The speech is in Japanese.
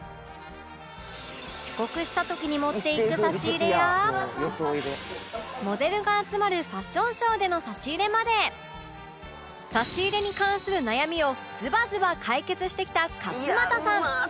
遅刻した時に持っていく差し入れやモデルが集まるファッションショーでの差し入れまで差し入れに関する悩みをズバズバ解決してきた勝俣さん